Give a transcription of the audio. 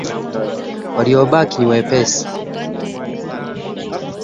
Waliobaki ni wepi.